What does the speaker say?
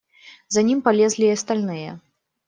За ним полезли и остальные.